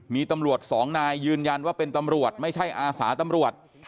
มีตำรวจสองนายยืนยันว่าเป็นตำรวจไม่ใช่อาสาตำรวจ